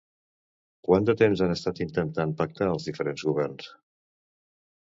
Quant de temps han estat intentant pactar els diferents governs?